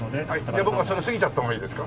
じゃあ僕はそれを過ぎちゃった方がいいですか？